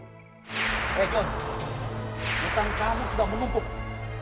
hutang kamu sudah menungguk